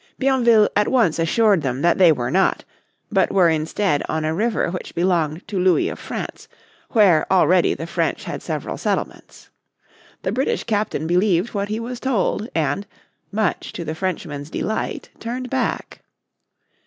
Bienville at once assured them that they were not, but were instead on a river which belonged to Louis of France, where already the French had several settlements. The British captain believed what he was told and, much to the Frenchmen's delight, turned back.